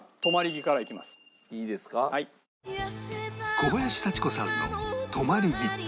小林幸子さんの『とまり木』